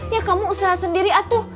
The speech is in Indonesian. ya kamu usaha sendiri aduh